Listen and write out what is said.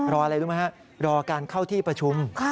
อะไรรู้ไหมฮะรอการเข้าที่ประชุม